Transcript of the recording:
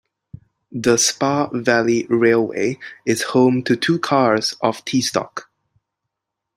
The Spa Valley Railway is home to two cars of T-Stock.